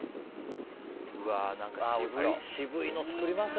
渋いの作りますね